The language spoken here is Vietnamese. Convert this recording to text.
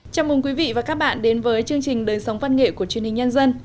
chào mừng quý vị và các bạn đến với chương trình đời sống văn nghệ của truyền hình nhân dân